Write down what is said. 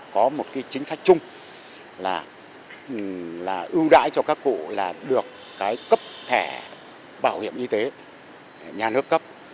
có một cái chính sách chung là ưu đãi cho các cụ là được cái cấp thẻ bảo hiểm y tế nhà nước cấp